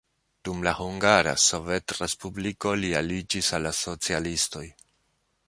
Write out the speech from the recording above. Dum la Hungara Sovetrespubliko li aliĝis al la socialistoj.